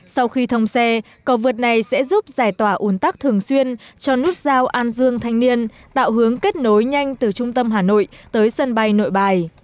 sau khi thông xe cầu vượt này sẽ giúp giải tỏa ủn tắc thường xuyên cho nút giao an dương thanh niên tạo hướng kết nối nhanh từ trung tâm hà nội tới sân bay nội bài